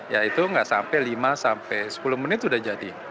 ya itu nggak sampai lima sampai sepuluh menit sudah jadi